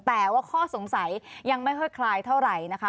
แต่ว่าข้อสงสัยยังไม่ค่อยคลายเท่าไหร่นะคะ